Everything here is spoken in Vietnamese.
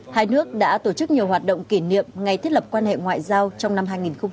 hai nước đã tổ chức nhiều hoạt động kỷ niệm ngày thiết lập quan hệ ngoại giao trong năm hai nghìn hai mươi